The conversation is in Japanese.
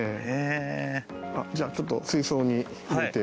じゃあ、ちょっと水槽に入れて。